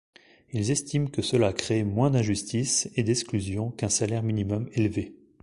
Ils estiment que cela crée moins d'injustices et d'exclusions qu'un salaire minimum élevé.